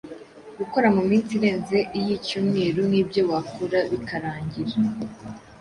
gukora mu minsi irenze iy’icyumweru nk’ibyo wakora bikarangira